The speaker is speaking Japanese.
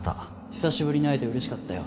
久しぶりに会えてうれしかったよ